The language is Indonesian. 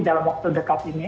dalam waktu dekat ini